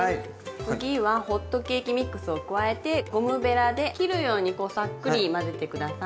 次はホットケーキミックスを加えてゴムベラで切るようにこうさっくり混ぜて下さい。